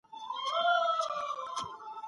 دا تر هغه دروند دئ.